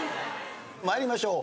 参りましょう。